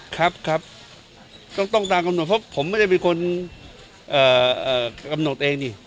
ครับครับต้องตามกำหนดเพราะผมไม่ได้เป็นคนกำหนดเองนี่